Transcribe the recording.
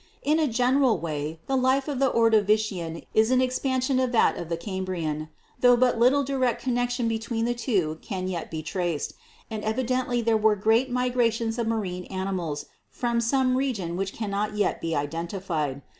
In a general way the life of the Ordovician is an expansion of that of the Cambrian, tho but little direct connection between the two can yet be traced, and evidently there were great migrations of marine animals from some region which cannot yet be identified.